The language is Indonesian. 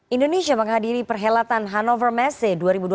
indonesia menghadiri perhelatan hannover messe dua ribu dua puluh